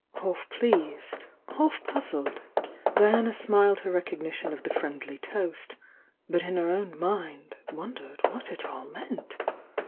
Half pleased, half puzzled, Diana smiled her rec ognition of the friendly toast, but in her own mind, wondered what it all meant?